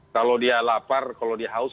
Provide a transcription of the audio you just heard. kalau dia lapar kalau dia haus